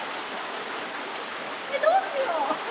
どうしよう。